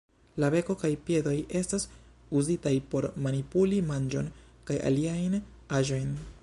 La beko kaj piedoj estas uzitaj por manipuli manĝon kaj aliajn aĵojn.